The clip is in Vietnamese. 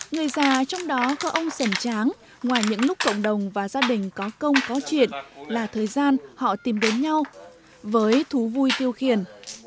người già trong đó có ông sảnh tráng ngoài những lúc cộng đồng và gia đình có công có chuyện là thời gian họ tìm đến nhau với thú vui tiêu khiển